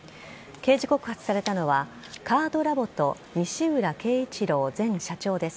刑事告発されたのはカードラボと西浦恵一郎前社長です。